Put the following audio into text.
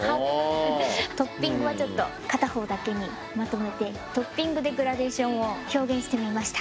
トッピングはちょっと片方だけにまとめてトッピングでグラデーションを表現してみました。